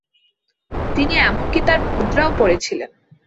তিনি এমনকি তার মুদ্রাও পরেছিলেন।